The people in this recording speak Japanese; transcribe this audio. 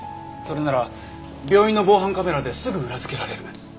それなら病院の防犯カメラですぐ裏付けられる。